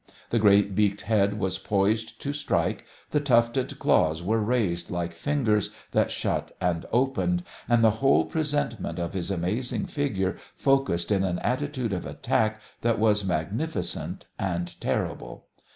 The great beaked head was poised to strike, the tufted claws were raised like fingers that shut and opened, and the whole presentment of his amazing figure focused in an attitude of attack that was magnificent and terrible.